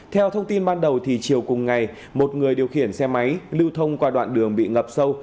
theo thông tin ban đầu thì chiều cùng ngày một người điều khiển xe máy lưu thông qua đoạn đường bị ngập sâu